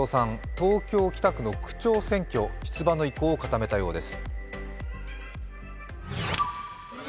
東京・北区の区長選挙、出馬の意向を固めたようです。